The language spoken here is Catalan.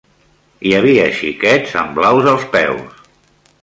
Hi havia xiquets amb blaus als peus.